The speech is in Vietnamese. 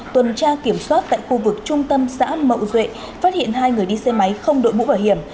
tuần tra kiểm soát tại khu vực trung tâm xã mậu duệ phát hiện hai người đi xe máy không đội mũ bảo hiểm